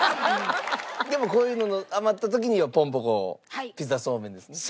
でもこういうのの余った時にはぽんぽ娘ピザそうめんですね？